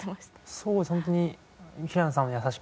そうですね